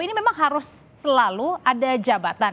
ini memang harus selalu ada jabatan